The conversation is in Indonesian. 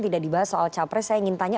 tidak dibahas soal capres saya ingin tanya